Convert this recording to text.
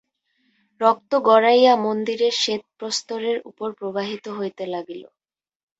রক্ত গড়াইয়া মন্দিরের শ্বেত প্রস্তরের উপর প্রবাহিত হইতে লাগিল।